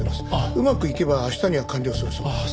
うまくいけば明日には完了するそうです。